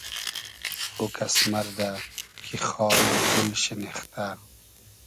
او کئس مئردۂ کی خار و گول شینیختۂ